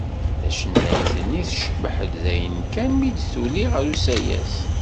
Tacennayt-nni tcebbeḥ-d dayen kan mi d-tuli ɣer usayes.